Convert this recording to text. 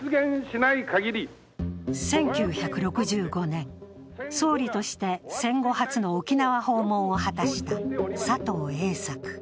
１９６５年、総理として戦後初の沖縄訪問を果たした佐藤栄作。